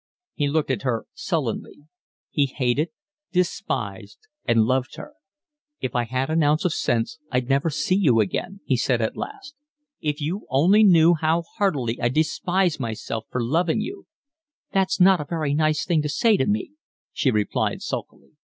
He looked at her sullenly. He hated, despised, and loved her. "If I had an ounce of sense I'd never see you again," he said at last. "If you only knew how heartily I despise myself for loving you!" "That's not a very nice thing to say to me," she replied sulkily.